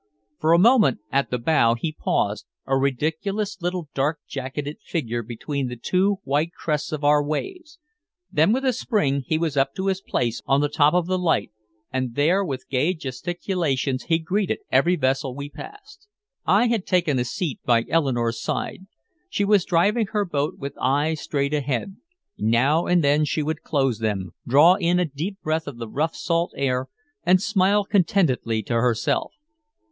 For a moment up at the bow he paused, a ridiculous little dark jacketed figure between the two white crests of our waves. Then with a spring he was up to his place on the top of the light, and there with gay gesticulations he greeted every vessel we passed. I had taken a seat by Eleanore's side. She was driving her boat with eyes straight ahead. Now and then she would close them, draw in a deep breath of the rough salt air, and smile contentedly to herself.